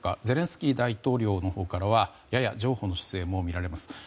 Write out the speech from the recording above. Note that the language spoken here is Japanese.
ゼレンスキー大統領のほうからはやや譲歩の姿勢も見られます。